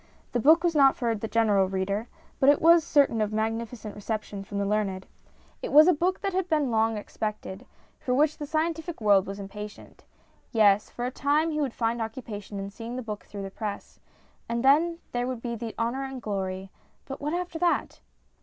The book was not for the general reader, but it was certain of a magni ficent reception from the learned. It was a book that had been long expected, for which the scientific world was impatient. Yes, for a time he would find occupation in seeing the book through the press ; and then there would be the honour and glory ; but what after that